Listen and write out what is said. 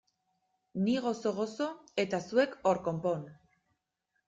Ni gozo-gozo eta zuek hor konpon!